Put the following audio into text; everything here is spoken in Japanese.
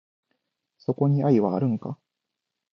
そこに愛はあるんか？